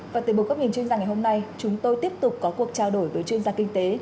và từ bộ góc nhìn chuyên gia ngày hôm nay chúng tôi tiếp tục có cuộc trao đổi với chuyên gia kinh tế